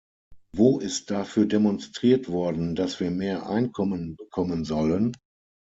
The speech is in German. Wo ist dafür demonstriert worden, dass wir mehr Einkommen bekommen sollen?